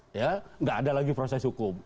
tidak ada lagi proses hukum